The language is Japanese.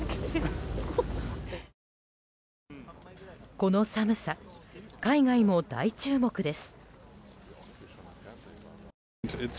この寒さ、海外も大注目です。